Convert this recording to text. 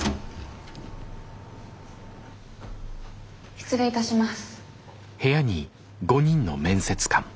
失礼いたします。